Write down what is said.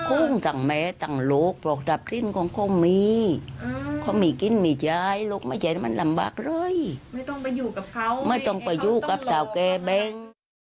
อุ่นและหยายลูกมันจะมีผ่านจนลำบากเลยไม่ต้องไปยู่กับดาวแม่แม๊ง